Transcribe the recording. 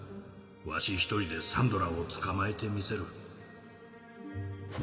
わし一人でサンドラを捕まえてみせる」。